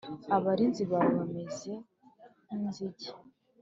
Abarinzi bawe bameze nk inzige